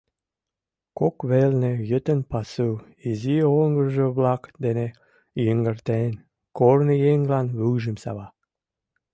Кок велне йытын пасу, изи оҥгыржо-влак дене йыҥгыртен, корныеҥлан вуйжым сава.